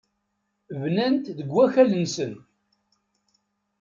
Bnant deg wakal-nsent.